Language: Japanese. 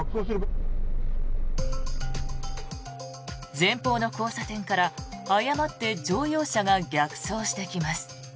前方の交差点から誤って乗用車が逆走してきます。